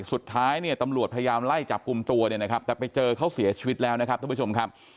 สุดท้ายเนี่ยตำรวจพยายามไล่จับกลุ่มตัวต่อไปเจอเขาเสียชีวิตแล้วนะครับ